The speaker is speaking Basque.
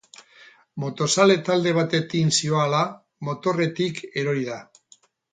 Motozale talde batekin zihoala, motorretik erori da.